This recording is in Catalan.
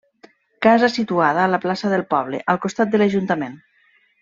Casa situada a la plaça del poble, al costat de l'ajuntament.